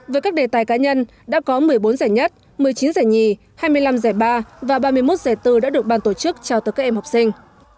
với các đề tài cá nhân đã có một mươi bốn giải nhất một mươi chín giải nhì hai mươi năm giải ba và ba mươi một giải tư đã được ban tổ chức trao tới các em học sinh